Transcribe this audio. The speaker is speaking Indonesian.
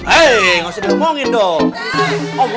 hei nggak usah diomongin dong